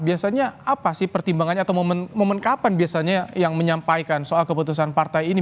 biasanya apa sih pertimbangannya atau momen kapan biasanya yang menyampaikan soal keputusan partai ini